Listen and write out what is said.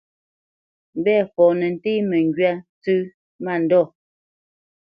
Mbɛ̂fɔ nə́ ntéé məŋgywá ntsə́ mándɔ̂.